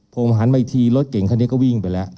ผมหันมาอีกทีรถเก่งคันนี้ก็วิ่งไปแล้ว